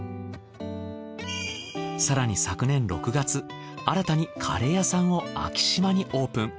更に昨年６月新たにカレー屋さんを昭島にオープン。